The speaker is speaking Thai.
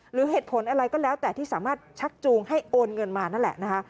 หรือเหตุผลอะไรก็แล้วแต่ที่สามารถชักจูงให้โอนเงินมานั่นแหละนะคะ